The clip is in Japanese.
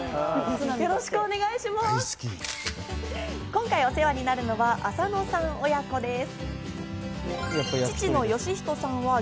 今回お世話になるのは浅野さん親子です。